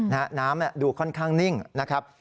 น้ำดูค่อนข้างนิ่งนะครับ